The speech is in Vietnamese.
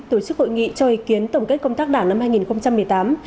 tổ chức hội nghị cho ý kiến tổng kết công tác đảng năm hai nghìn một mươi tám